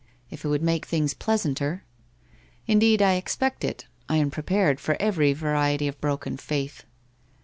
If it would make things pleasanter. Indeed, I ex pect it. I am prepared for every variety of broken faith.'